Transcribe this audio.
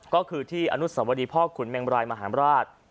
ก็คือที่อนุสวดีพ่อขุนแมงบรายมหาราช